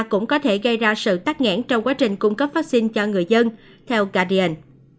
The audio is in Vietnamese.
cũng có thể gây ra sự tắc nghẽn trong quá trình cung cấp vaccine cho người dân theo cardian